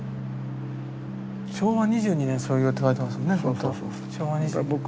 「昭和２２年創業」って書いてますもんね。